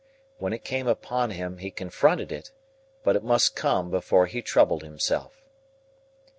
When it came upon him, he confronted it, but it must come before he troubled himself.